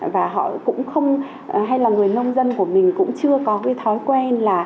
và họ cũng không hay là người nông dân của mình cũng chưa có thói quen